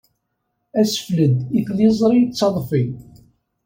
Assefled i tliẓri d taḍfi.